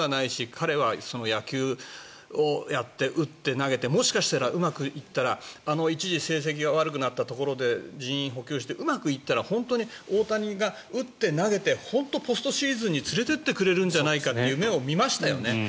彼は野球をやって打って、投げてもしかしたら、うまくいったらあの一時成績が悪くなったところで人員を補強してうまくいったら本当に大谷が打って投げて本当にポストシーズンに連れていってくれるんじゃないかという夢を見ましたよね。